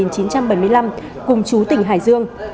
cùng chú tỉnh hải dương